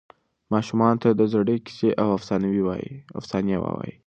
ماشومانو ته د زړې کیسې او افسانې ووایئ.